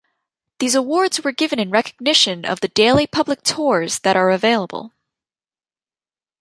These awards were given in recognition of the daily public tours that are available.